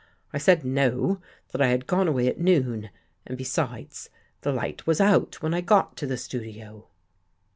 I said no, that I had gone away at noon, and besides, the light was out when I got to the studio.